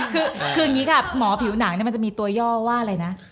คืออย่างนี้ค่ะหมอผิวหนังมันจะมีตัวย่อว่าอะไรนะ